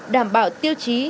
đảm bảo tiêu chí